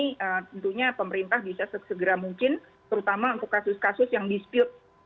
karena pemerintah bisa segera mungkin terutama untuk kasus kasus yang dispute